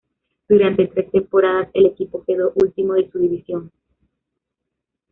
Durante tres temporadas el equipo quedó último de su división.